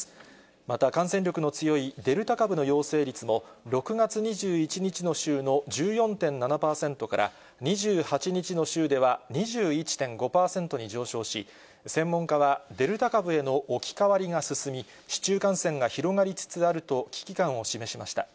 また、感染力の強いデルタ株の陽性率も、６月２１日の週の１４．７％から、２８日の週では２１．５％に上昇し、専門家はデルタ株への置き換わりが進み、市中感染が広がりつつあると危機感を示しました。